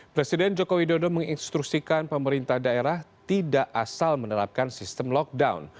presiden joko widodo menginstruksikan pemerintah daerah tidak asal menerapkan sistem lockdown